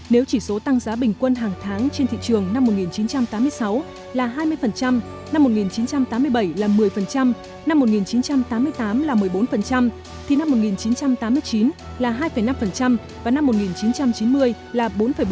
nếu chỉ số tăng giá bình quân hàng tháng trên thị trường năm một nghìn chín trăm tám mươi sáu là hai mươi năm một nghìn chín trăm tám mươi bảy là một mươi năm một nghìn chín trăm tám mươi tám là một mươi bốn thì năm một nghìn chín trăm tám mươi chín là hai năm và năm một nghìn chín trăm chín mươi là bốn bốn